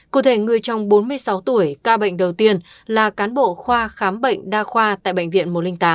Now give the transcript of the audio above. cụ thể người trong bốn mươi sáu tuổi ca bệnh đầu tiên là cán bộ khoa khám bệnh đa khoa tại bệnh viện một trăm linh tám